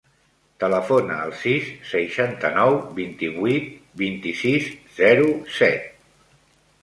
Telefona al sis, seixanta-nou, vint-i-vuit, vint-i-sis, zero, set.